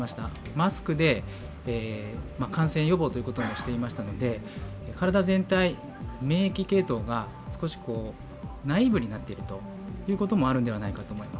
マスクで感染予防ということもしていましたので体全体、免疫系統が少しナイーブになっていることもあるんじゃないかと。